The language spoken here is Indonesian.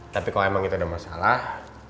tapi kalau emang itu ada masalah